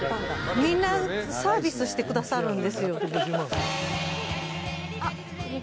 みんなサービスしてくださるんですよ。